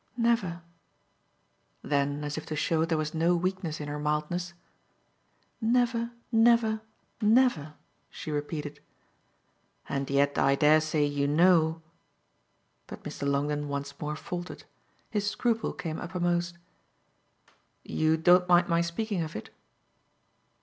"Never." Then as if to show there was no weakness in her mildness, "Never, never, never," she repeated. "And yet I dare say you know ?" But Mr. Longdon once more faltered; his scruple came uppermost. "You don't mind my speaking of it?"